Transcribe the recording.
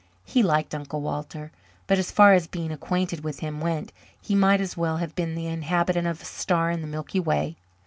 He liked Uncle Walter, but as far as being acquainted with him went he might as well have been the inhabitant of a star in the Milky Way.